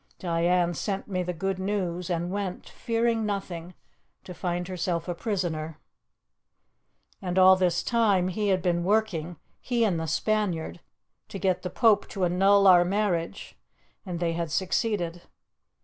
Diane sent me the good news and went, fearing nothing, to find herself a prisoner. "And all this time he had been working he and the Spaniard to get the Pope to annul our marriage, and they had succeeded.